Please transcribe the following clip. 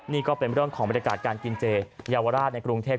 นี่ก็เป็นเรื่องของบรรยากาศการกินเจเยาวราชในกรุงเทพ